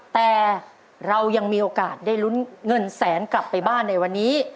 แต่เรายังมีโอกาสได้ลุ้นเงินแสนกลับไปบ้านในวันนี้